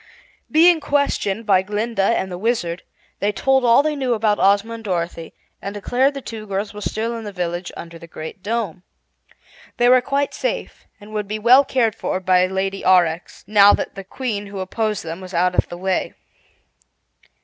Being questioned by Glinda and the Wizard, they told all they knew about Ozma and Dorothy and declared the two girls were still in the village under the Great Dome. They were quite safe and would be well cared for by Lady Aurex, now that the Queen who opposed them was out of the way.